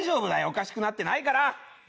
おかしくなってないから！